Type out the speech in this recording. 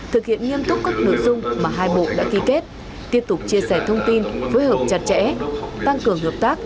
thực hiện nghiêm túc các nội dung mà hai bộ đã ký kết tiếp tục chia sẻ thông tin phối hợp chặt chẽ tăng cường hợp tác